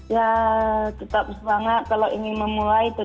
ya tetap semangat